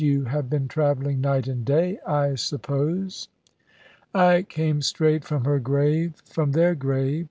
"You have been travelling night and day, I suppose." "I came straight from her grave, from their grave.